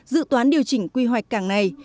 dự toán điều chỉnh quy hoạch cảng này